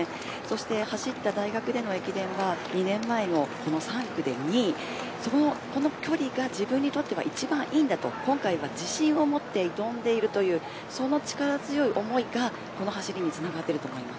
走った大学での駅伝は２年前の３区で２位この距離が自分にとっては一番いいんだと今回は自信を持って挑んでいるというその力強い思いがこの走りにつながっていると思います。